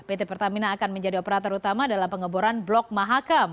pt pertamina akan menjadi operator utama dalam pengeboran blok mahakam